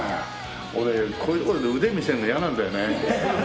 俺こういうところで腕見せるの嫌なんだよね。